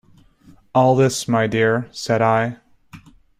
"All this, my dear," said I.